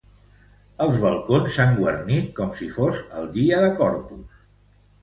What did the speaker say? Els balcons s’han guarnit com si fos el dia de Corpus.